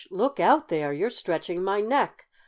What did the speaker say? Look out there! You're stretching my neck!"